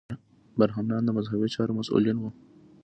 برهمنان د مذهبي چارو مسوولین وو.